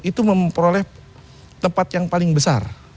itu memperoleh tempat yang paling besar